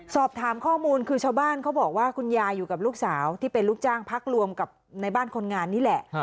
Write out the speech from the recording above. สอบถามข้อมูลคือชาวบ้านเขาบอกว่าคุณยายอยู่กับลูกสาวที่เป็นลูกจ้างพักรวมกับในบ้านคนงานนี่แหละ